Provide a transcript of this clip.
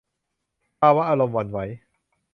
ภาวะอารมณ์หวั่นไหว